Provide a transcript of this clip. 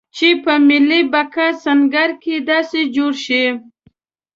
چې په ملي بقا سنګر کې داسې جوړ شي.